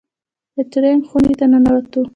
د ټرېننگ خونې ته ننوتو.